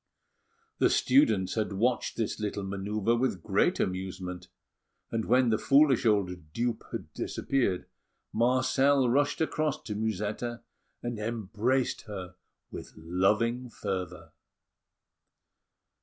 The students had watched this little manœuvre with great amusement; and when the foolish old dupe had disappeared, Marcel rushed across to Musetta, and embraced her with loving fervour.